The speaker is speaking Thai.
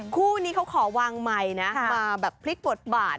คู่นี้เขาขอวางไมค์นะมาแบบพลิกบทบาท